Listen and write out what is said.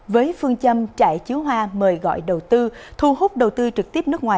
với phương châm trại chiếu hoa mời gọi đầu tư thu hút đầu tư trực tiếp nước ngoài